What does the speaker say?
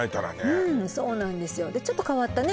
うんそうなんですよでちょっと変わったね